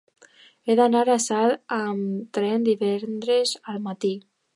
He d'anar a Salt amb tren divendres al matí.